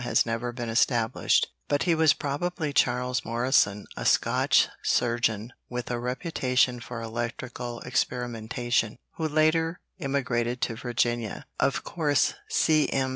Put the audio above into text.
has never been established, but he was probably Charles Morrison, a Scotch surgeon with a reputation for electrical experimentation, who later emigrated to Virginia. Of course "C.M.'